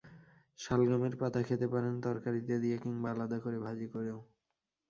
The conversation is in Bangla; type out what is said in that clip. শালগমের পাতা খেতে পারেন তরকারিতে দিয়ে কিংবা আলাদা করে ভাজি করেও।